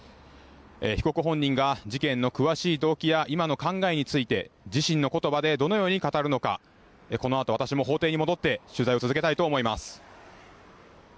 被告本人が事件の詳しい動機や今の考えについて自身のことばでどのように語るのかこのあと、私も法廷に戻って取材を続けたいと思います。